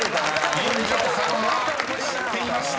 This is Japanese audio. ［金城さんは知っていました。